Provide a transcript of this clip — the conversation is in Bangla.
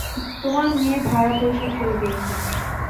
তোমার মেয়ে ভাড়া পরিশোধ করে দিয়েছে।